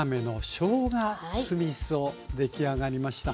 出来上がりました。